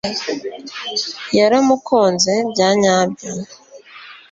yaramukunze bya nyabyo